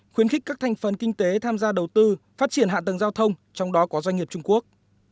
khuyến khích các thành phần kinh tế tham gia đầu tư phát triển hạ tầng giao thông trong đó có doanh nghiệp trung quốc